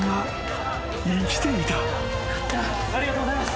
ありがとうございます。